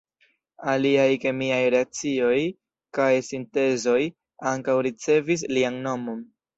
Aliaj kemiaj reakcioj kaj sintezoj ankaŭ ricevis lian nomon.